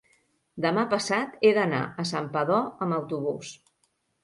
demà passat he d'anar a Santpedor amb autobús.